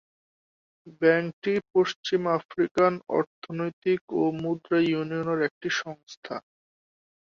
ব্যাংকটি পশ্চিম আফ্রিকান অর্থনৈতিক ও মুদ্রা ইউনিয়নের একটি সংস্থা।